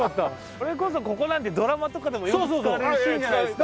それこそここなんてドラマとかでもよく使われるシーンじゃないですか。